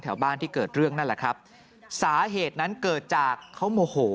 บ้านที่เกิดเรื่องนั่นแหละครับสาเหตุนั้นเกิดจากเขาโมโห